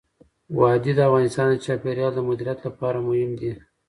وادي د افغانستان د چاپیریال د مدیریت لپاره مهم دي.